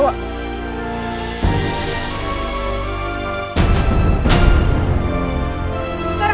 sam su dewi